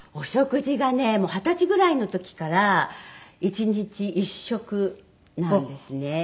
二十歳ぐらいの時から１日１食なんですね。